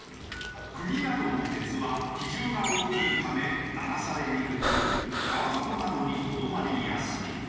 釘などの鉄は比重が大きいため流されにくく川底などにとどまりやすい。